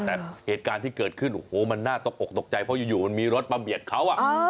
แต่เหตุการณ์ที่เกิดขึ้นโอ้โหมันน่าตกอกตกใจเพราะอยู่มันมีรถมาเบียดเขา